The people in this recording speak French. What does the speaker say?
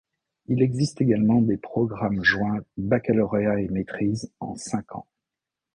Il existe également des programmes joints baccalauréat et maîtrise en cinq ans.